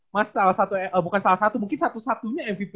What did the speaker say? mas salah satu mungkin salah satu mvp